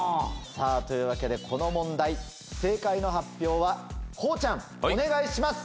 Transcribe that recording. さぁというわけでこの問題正解の発表はこうちゃんお願いします！